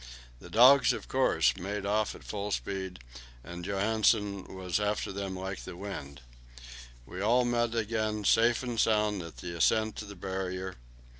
The dogs, of course, made off at full speed, and Johansen after them like the wind. We all met again safe and sound at the ascent to the Barrier.